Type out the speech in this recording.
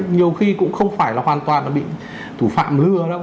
nhiều khi cũng không phải là hoàn toàn là bị thủ phạm lừa đâu